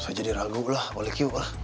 saya jadi ragu lah oleh q lah